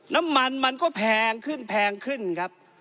น้ำมันมันก็แพงขึ้นแพงขึ้นครับ